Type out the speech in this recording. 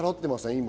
今。